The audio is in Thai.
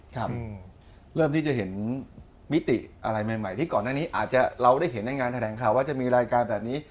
ครับเริ่มที่จะเห็นมิติอะไรใหม่ที่ก่อนหน้านี้อาจจะเราได้เห็นในงานแถลงข่าวว่าจะมีรายการแบบนี้